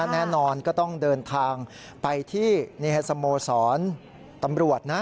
แน่นอนก็ต้องเดินทางไปที่สโมสรตำรวจนะ